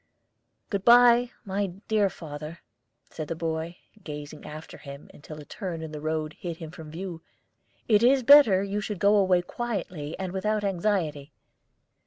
"Good by, my dear father," said the boy, gazing after him until a turn in the road hid him from view. "It is better that you should go away quietly and without anxiety.